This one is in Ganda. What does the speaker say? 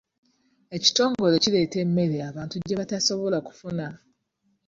Ekitongole kireeta emmere abantu gye batasobola kufuna.